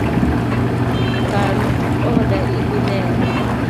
Kal oda ibinena